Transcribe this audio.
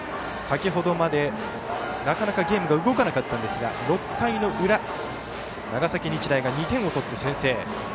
先ほどまで、なかなかゲームが動かなかったんですが６回裏、長崎日大が２点を取って先制。